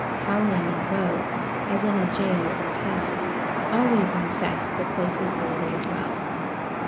Howling and woe, as in a jail or hell, Always infest the places where they dwell.